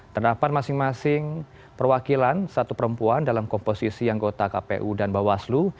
terdapat masing masing perwakilan satu perempuan dalam komposisi anggota kpu dan bawaslu